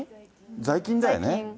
在勤だよね。